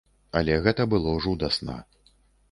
Але гэта было жудасна.